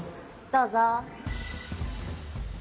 どうぞ。